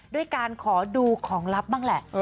ด้วยการขอดูของลับบ้างแหละ